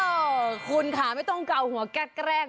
เออคุณค่ะไม่ต้องเกาหัวแก๊ง